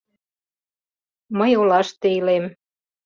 — Мый олаште илем.